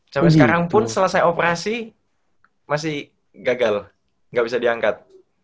sampai sekarang pun selesai operasi masih gagal nggak bisa diangkat